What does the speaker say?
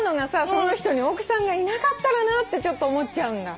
その人に奥さんがいなかったらなってちょっと思っちゃうんだ。